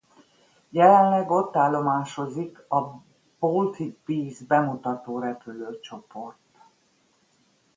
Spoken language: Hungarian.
Jelenleg ott állomásozik a Baltic Bees bemutatórepülő-csoport.